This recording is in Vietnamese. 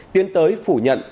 tiến tới phủ nhận